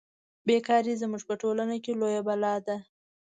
بې کاري زموږ په ټولنه کې لویه بلا ده